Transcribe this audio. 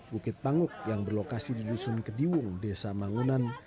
bukit panguk yang berlokasi di dusun kediwung desa mangunan